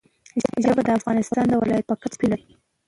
ژبې د افغانستان د ولایاتو په کچه توپیر لري.